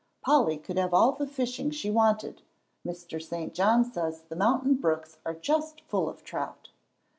Polly could have all the fishing she wanted. Mr. St. John says the mountain brooks are just full of trout."